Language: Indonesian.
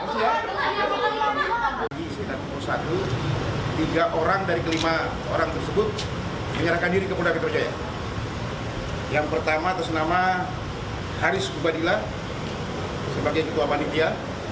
sebagai ketua panitia